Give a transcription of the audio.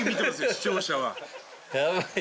視聴者は。